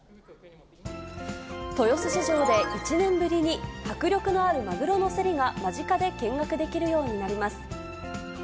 豊洲市場で１年ぶりに迫力のあるマグロの競りが間近で見学できるようになります。